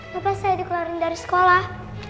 bapak lupa saya dikeluarkan dari sekolah